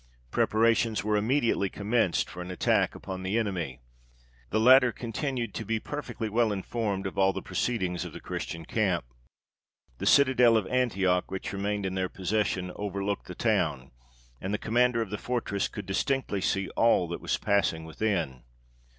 Preparations were immediately commenced for an attack upon the enemy: the latter continued to be perfectly well informed of all the proceedings of the Christian camp. The citadel of Antioch, which remained in their possession, overlooked the town, and the commander of the fortress could distinctly see all that was passing within.